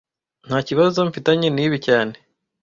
Ntakibazo mfitanye nibi cyane